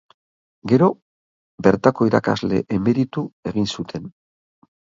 Gero, bertako irakasle emeritu egin zuten.